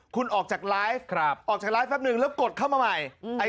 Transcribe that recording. คุณออกจากไลฟ์ออกจากไลฟ์แป๊บนึงแล้วกดเข้ามาใหม่